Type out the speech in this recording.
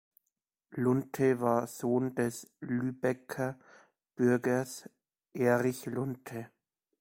Lunte war Sohn des Lübecker Bürgers "Erich Lunte.